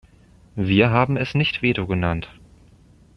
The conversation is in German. Wir haben es nicht Veto genannt.